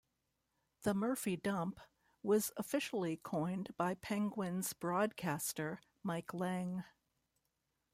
The "Murphy Dump" was officially coined by Penguins broadcaster Mike Lange.